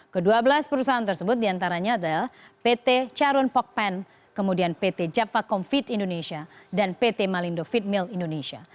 kedua belas perusahaan tersebut diantaranya adalah pt charun pokpen kemudian pt javakomfit indonesia dan pt malindo feed mill indonesia